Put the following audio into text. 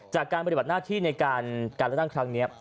จากการปฏิบัติหน้าที่ในการเลือกตั้งครั้งนี้